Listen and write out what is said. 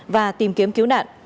và tìm kiếm cứu nạn